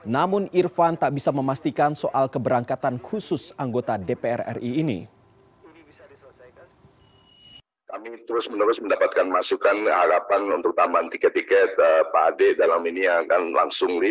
namun irvan tak bisa memastikan soal keberangkatan khusus anggota